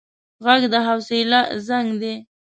غږ د حوصله زنګ دی